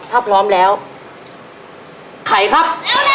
ถ้าพร้อมแล้วไข่ครับ